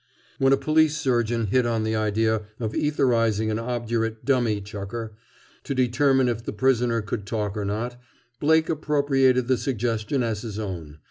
When a police surgeon hit on the idea of etherizing an obdurate "dummy chucker," to determine if the prisoner could talk or not, Blake appropriated the suggestion as his own.